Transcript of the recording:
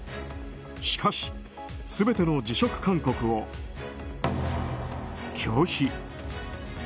しかし、全ての辞職勧告を拒否。